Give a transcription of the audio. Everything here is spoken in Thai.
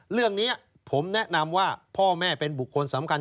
เรื่องนี้ผมแนะนำว่าพ่อแม่เป็นบุคคลสำคัญ